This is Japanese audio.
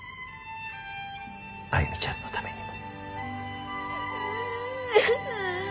歩ちゃんのためにも。